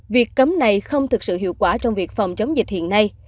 việc cấm này không thực sự hiệu quả trong việc phòng chống dịch hiện nay